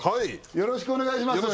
よろしくお願いします